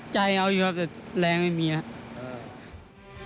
ใจออกอยู่แต่แรงไม่มีครับ